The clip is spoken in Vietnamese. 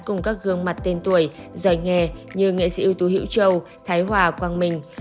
cùng các gương mặt tên tuổi giỏi nghề như nghệ sĩ ưu tú hiễu châu thái hòa quang minh